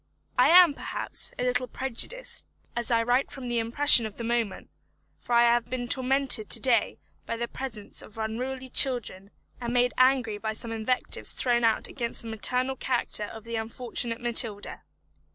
I am, perhaps, a little prejudiced, as I write from the impression of the moment; for I have been tormented to day by the presence of unruly children, and made angry by some invectives thrown out against the maternal character of the unfortunate Matilda.